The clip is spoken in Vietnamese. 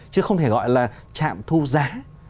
chứ không thể gọi là chạm thu giá